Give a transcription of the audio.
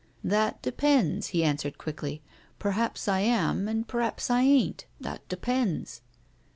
" That depends," he answered quickly. " Perhaps I am and perhaps I ain't, that depends."